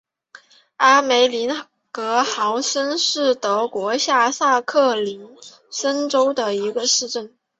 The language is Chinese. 阿梅林格豪森是德国下萨克森州的一个市镇。